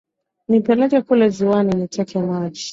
Nipeleke kule ziwani niteke maji.